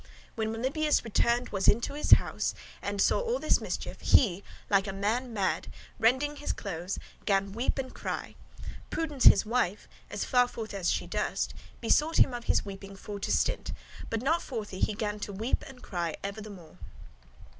When Melibœus returned was into his house, and saw all this mischief, he, like a man mad, rending his clothes, gan weep and cry. Prudence his wife, as farforth as she durst, besought him of his weeping for to stint: but not forthy [notwithstanding] he gan to weep and cry ever longer the more.